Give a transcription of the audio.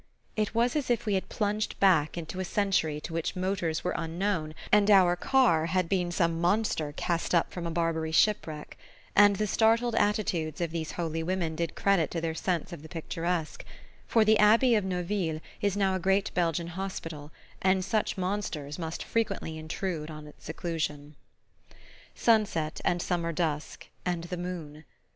It was as if we had plunged back into a century to which motors were unknown and our car had been some monster cast up from a Barbary shipwreck; and the startled attitudes of these holy women did credit to their sense of the picturesque; for the Abbey of Neuville is now a great Belgian hospital, and such monsters must frequently intrude on its seclusion... Sunset, and summer dusk, and the moon.